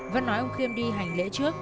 vân nói ông khiêm đi hành lễ trước